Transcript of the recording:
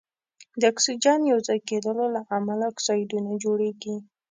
د اکسیجن یو ځای کیدلو له امله اکسایدونه جوړیږي.